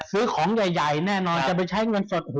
ซื้อของใหญ่แน่นอนจะไปใช้เงินสด